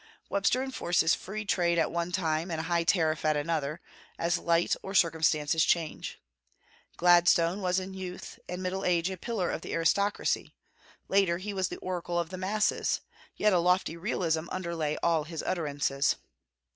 Webster enforces free trade at one time and a high tariff at another, as light or circumstances change. Gladstone was in youth and middle age a pillar of the aristocracy; later he was the oracle of the masses, yet a lofty realism underlay all his utterances.